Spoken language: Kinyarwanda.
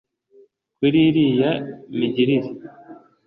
Kuri iriya migirire